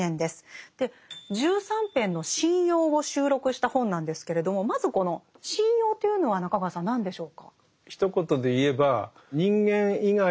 １３篇の神謡を収録した本なんですけれどもまずこの「神謡」というのは中川さん何でしょうか？